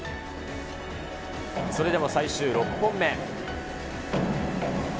それでも最終６本目。